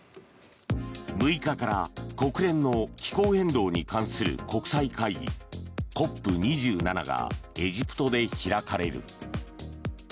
６日から国連の気候変動に関する国際会議ＣＯＰ２７がエジプトで開かれる。